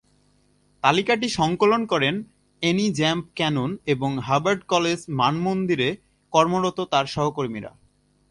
তালিকাটি সংকলন করেন এনি জাম্প ক্যানন এবং হার্ভার্ড কলেজ মানমন্দিরে কর্মরত তার সহকর্মীরা।